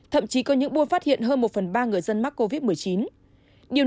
thậm chí có những buôn phát hiện hơn một phần ba người dân mắc covid một mươi chín